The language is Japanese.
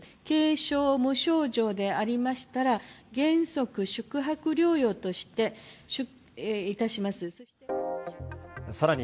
軽症・無症状でありましたら、原則宿泊療養といたします。